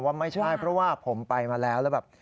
ว่าไม่ใช่เพราะว่าผมไปมาแล้วแล้วแบบ